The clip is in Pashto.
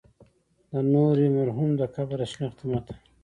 د نوري مرحوم د قبر د شنختې متن.